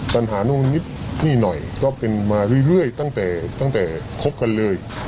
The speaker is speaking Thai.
ปัญหานู่นนิดนี่หน่อยก็เป็นมาเรื่อยตั้งแต่ตั้งแต่คบกันเลย